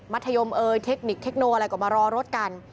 ธยมเอยเทคนิคเทคโนอะไรก็มารอรถกัน